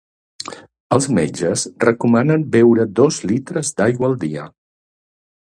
Els metges recomanen beure dos litres d'aigua al dia.